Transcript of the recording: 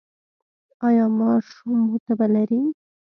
ایا ماشوم مو تبه لري؟